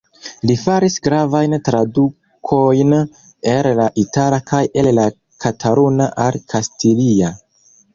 Li faris gravajn tradukojn el la itala kaj el la kataluna al kastilia.